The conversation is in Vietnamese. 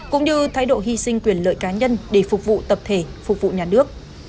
cũng như thái độ hy sinh quyền lợi cá nhân để phục vụ tập thể phục vụ nhà nước